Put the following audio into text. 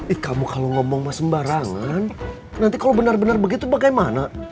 eh kamu kalau ngomong sembarangan nanti kalau benar benar begitu bagaimana